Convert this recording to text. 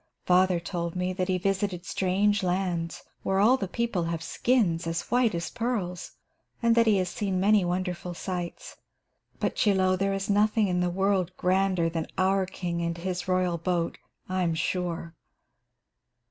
"Father told me that he visited strange lands where all the people have skins as white as pearls, and that he has seen many wonderful sights. But, Chie Lo, there is nothing in the world grander than our king and his royal boat, I'm sure."